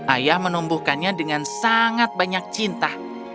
ayah menumbuhkannya dengan sangat banyak cinta